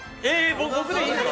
僕でいいんですか？